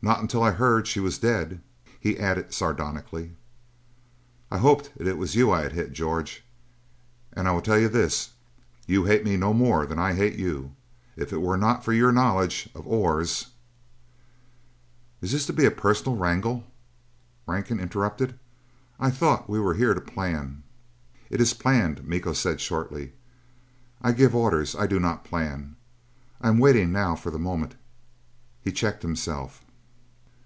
"Not until I heard she was dead." He added sardonically, "I hoped it was you I had hit, George. And I will tell you this: you hate me no more than I hate you. If it were not for your knowledge of ores " "Is this to be a personal wrangle?" Rankin interrupted. "I thought we were here to plan " "It is planned," Miko said shortly. "I give orders, I do not plan. I am waiting now for the moment " He checked himself.